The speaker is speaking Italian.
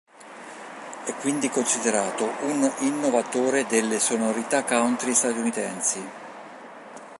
È quindi considerato un innovatore delle sonorità country statunitensi.